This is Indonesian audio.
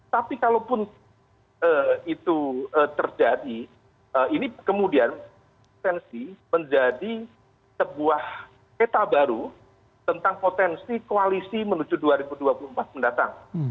tapi kalaupun itu terjadi ini kemudian tensi menjadi sebuah peta baru tentang potensi koalisi menuju dua ribu dua puluh empat mendatang